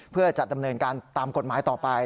เพื่อจะดำเนินการตามกฎหมายต่อไป